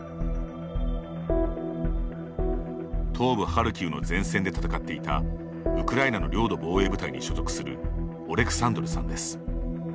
東部ハルキウの前線で戦っていたウクライナの領土防衛部隊に所属するオレクサンドルさんです。